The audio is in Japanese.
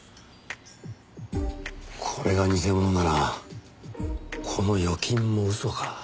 これが偽物ならこの預金も嘘か。